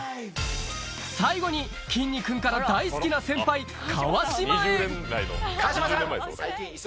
最後にきんに君から大好きな先輩川島へ川島さん！